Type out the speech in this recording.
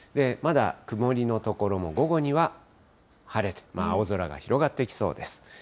まだ曇りの所も午後には晴れて青空が広がってきそうです。